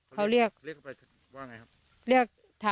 เขาเรียกเข้าไปว่าไงครับ